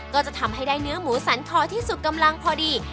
ก็จะทำให้ได้เนื้อหมูสันคอที่สุกกำลังพอดี